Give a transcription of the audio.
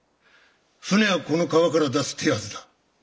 船はこの川から出す手はずだ。